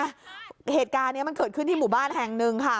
เหตุการณ์นี้มันเกิดขึ้นที่หมู่บ้านแห่งหนึ่งค่ะ